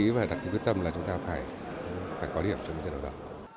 chúng tôi đặt cái quyết tâm là chúng ta phải có điểm trong trận đấu đó